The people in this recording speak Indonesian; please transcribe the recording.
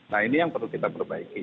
nah ini yang perlu kita perbaiki